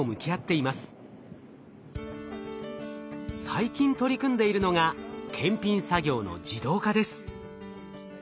最近取り組んでいるのが検品作業の自動化です。